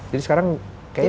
jadi sekarang kayaknya